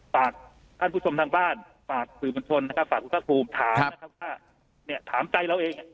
ฝากท่านผู้ชมทางบ้านฝากสื่อบนชนนะครับฝากคุณภาคภูมิถามนะครับว่าเนี่ยถามใจเราเอง